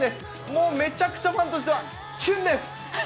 もう、めちゃくちゃファンとしては、きゅんです。